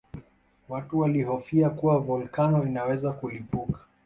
Watu walihofia kuwa volkano inaweza kulipuka